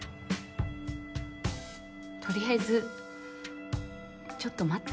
とりあえずちょっと待って。